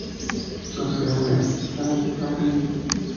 Su sede está en Franklin.